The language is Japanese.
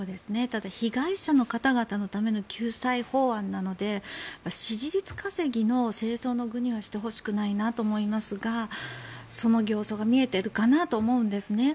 被害者の方々のための救済法案なので支持率稼ぎの政争の具にはしてほしくないなと思いますがその形相が見えているかなと思うんですね。